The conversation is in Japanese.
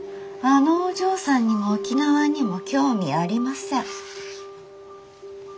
あのお嬢さんにも沖縄にも興味ありません。